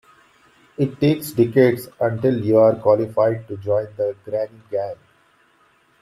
It takes decades until you're qualified to join the granny gang.